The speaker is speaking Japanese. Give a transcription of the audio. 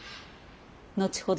後ほど